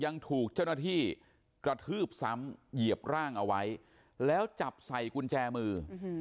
ยังถูกเจ้าหน้าที่กระทืบซ้ำเหยียบร่างเอาไว้แล้วจับใส่กุญแจมือ